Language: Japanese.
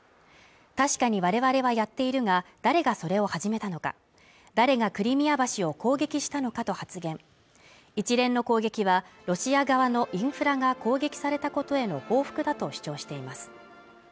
確かに我々はやっているが誰がそれを始めたのか誰がクリミア橋を攻撃したのかと発言一連の攻撃はロシア側のインフラが攻撃されたことへの報復だと主張しています